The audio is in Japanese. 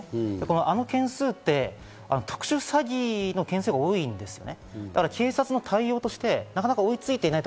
あの件数って、特殊詐欺の件数より多いんですよね。